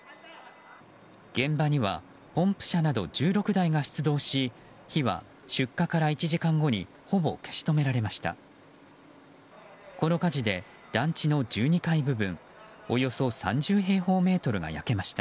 現場にはポンプ車など１６台が出動し火は出火から１時間後にほぼ消し止められました。